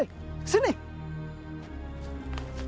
mereka wafat setahun yang lalu